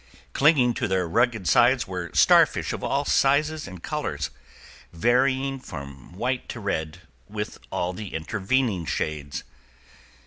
Clinging to their rugged sides were starfish of all sizes and colors, varying from white to red, with all the intervening shades.